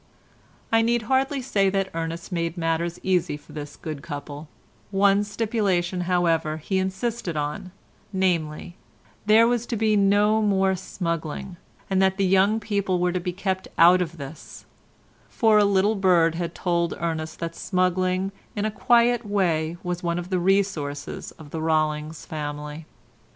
I need hardly say that Ernest made matters easy for this good couple; one stipulation, however, he insisted on, namely, there was to be no more smuggling, and that the young people were to be kept out of this; for a little bird had told Ernest that smuggling in a quiet way was one of the resources of the Rollings family.